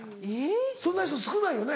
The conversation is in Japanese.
そんな人少ないよね。